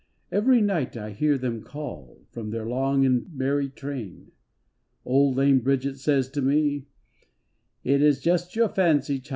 Every night I hear them call From their long and merry train. Old lame Bridget says to me, " It is just your fancy, child."